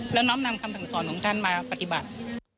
แล้วน้อมนำคำสั่งสอนของท่านมาปฏิบัติ